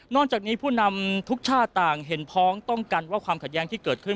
จากนี้ผู้นำทุกชาติต่างเห็นพ้องต้องกันว่าความขัดแย้งที่เกิดขึ้น